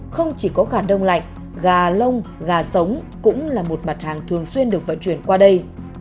không chỉ có khả đông lạnh gà lông gà sống cũng là một mặt hàng thường xuyên được vận chuyển qua đây